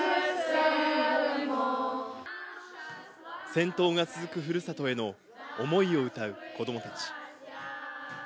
戦闘が続くふるさとへの思いを歌う子どもたち。